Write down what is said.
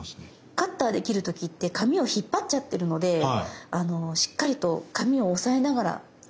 カッターで切る時って紙を引っ張っちゃってるのでしっかりと紙を押さえながら切って下さい。